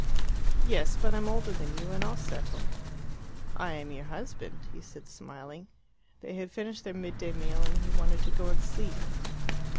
"Yes, but I'm older than you, and I'll settle." "I am your husband," he said, smiling. They had finished their mid day meal, and he wanted to go and sleep.